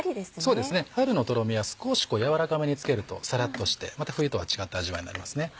そうですね春のとろみは少しやわらかめにつけるとサラっとしてまた冬とは違った味わいになりますね。